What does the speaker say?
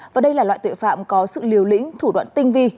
và đây là loại tội phạm có sự liều lĩnh thủ đoạn tinh vi